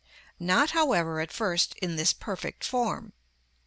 Not, however, at first in this perfect form.